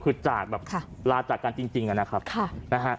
คือจากแบบลาจากกันจริงนะครับนะฮะ